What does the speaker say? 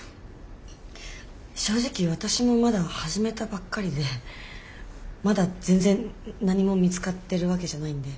正直私もまだ始めたばっかりでまだ全然何も見つかってるわけじゃないんで。